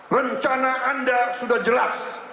rencana anda sudah jelas